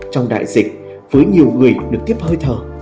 trong đại dịch với nhiều người được tiếp hơi thở